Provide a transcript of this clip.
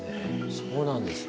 そうなんですね。